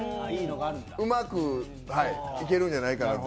うまくいけるんじゃないかなと。